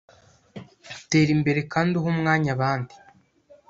Tera imbere kandi uhe umwanya abandi.